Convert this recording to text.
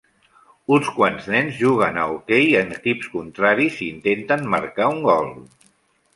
Uns quants nens juguen a hoquei en equips contraris i intenten marcar un gol.